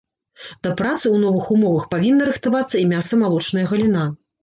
Да працы ў новых умовах павінна рыхтавацца і мяса-малочная галіна.